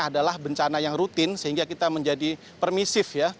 adalah bencana yang rutin sehingga kita menjadi permisif ya